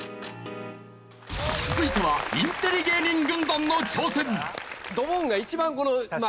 続いてはインテリ芸人軍団の挑戦！